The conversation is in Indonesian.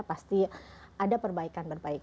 pasti ada perbaikan perbaikan